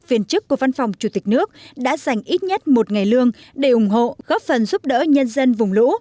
viên chức của văn phòng chủ tịch nước đã dành ít nhất một ngày lương để ủng hộ góp phần giúp đỡ nhân dân vùng lũ